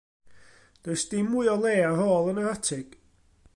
Does dim mwy o le ar ôl yn yr atig.